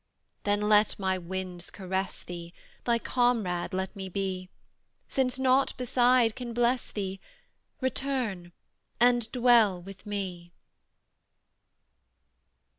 Then let my winds caress thee Thy comrade let me be: Since nought beside can bless thee, Return and dwell with me.